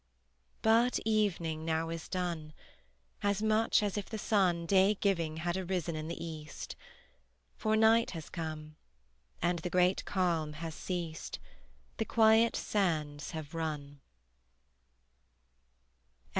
But evening now is done As much as if the sun Day giving had arisen in the east: For night has come; and the great calm has ceased, The quiet sands have run.